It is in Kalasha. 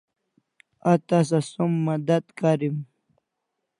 A tasa som madat karim